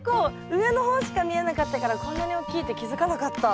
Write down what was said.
上の方しか見えなかったからこんなに大きいって気付かなかった。